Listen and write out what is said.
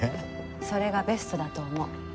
それがベストだと思う。